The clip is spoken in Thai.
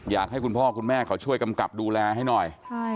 อยากให้คุณพ่อคุณแม่เขาช่วยกำกับดูแลให้หน่อย